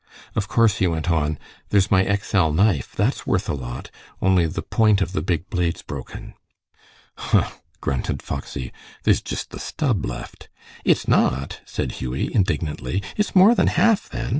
"Of course," he went on, "there's my XL knife. That's worth a lot, only the point of the big blade's broken." "Huh!" grunted Foxy, "there's jist the stub left." "It's not!" said Hughie, indignantly. "It's more than half, then.